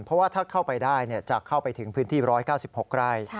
เพราะว่าถ้าเข้าไปได้จะเข้าไปถึงพื้นที่๑๙๖ไร่